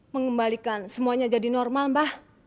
mengembalikan semuanya jadi normal mbak